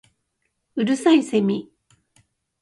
五月蠅いセミ